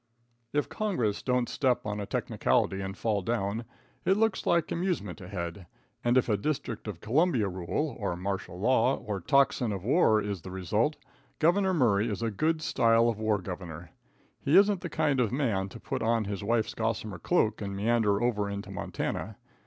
If congress don't step on a technicality and fall down, it looks like amusement ahead, and if a District of Columbia rule, or martial law, or tocsin of war is the result, Gov. Murray is a good style of war governor. He isn't the kind of a man to put on his wife's gossamer cloak and meander over into Montana.